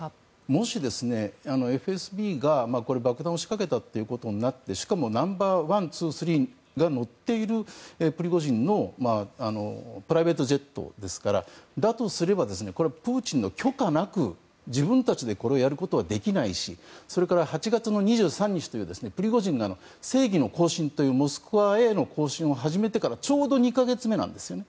もし、ＦＳＢが爆弾を仕掛けたことになってしかもナンバー１、２、３が乗っている、プリゴジンのプライベートジェット機ですからだとすれば、プーチンの許可なく自分たちでやることはできないしそれから８月２３日というプリゴジンの正義の行進というモスクワへの行進を始めてからちょうど２か月目なんですね。